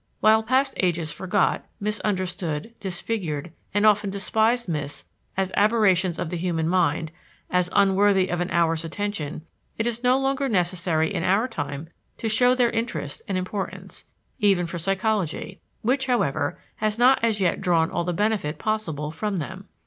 While past ages forgot, misunderstood, disfigured, and often despised myths as aberrations of the human mind, as unworthy of an hour's attention, it is no longer necessary in our time to show their interest and importance, even for psychology, which, however, has not as yet drawn all the benefit possible from them.